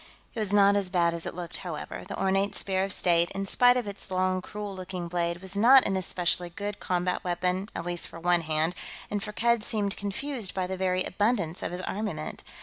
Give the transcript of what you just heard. It was not as bad as it looked, however. The ornate Spear of State, in spite of its long, cruel looking blade, was not an especially good combat weapon, at least for one hand, and Firkked seemed confused by the very abundance of his armament.